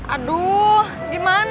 aduh dimana tuh